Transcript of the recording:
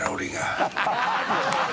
ハハハ